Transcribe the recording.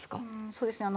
そうですね